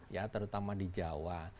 ya terutama di jawa